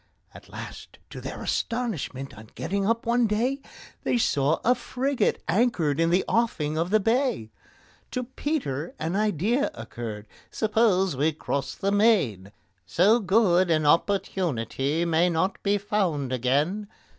At last, to their astonishment, on getting up one day, They saw a frigate anchored in the offing of the bay. To PETER an idea occurred. "Suppose we cross the main? So good an opportunity may not be found again."